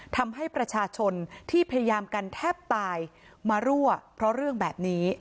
ทำให้ประชาชนที่พยายามกันแทบตายมารั่วเพราะเรื่องแบบนี้